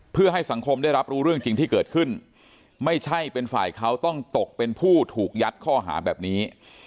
เพื่อให้สังคมได้รับรู้เรื่องจริงที่เกิดขึ้นไม่ใช่เป็นฝ่ายเขาต้องตกเป็นผู้ถูกยัดข้อหาแบบนี้